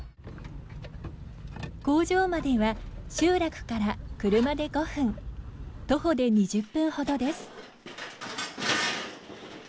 工場までは集落から車で５分徒歩で２０分ほどです。